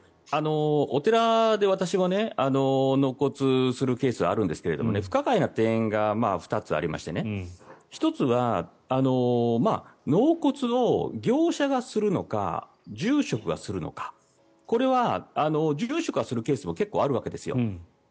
お寺で私は納骨するケースがあるんですけど不可解な点が２つありまして１つは納骨を業者がするのか住職がするのか、これは住職がするケースも結構あるわけですよ。